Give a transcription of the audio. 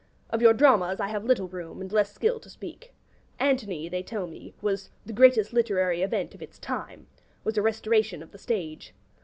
Of your dramas I have little room, and less skill, to speak. 'Antony,' they tell me, was 'the greatest literary event of its time,' was a restoration of the stage.